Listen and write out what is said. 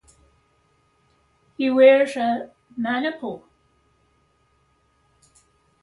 He wears a maniple.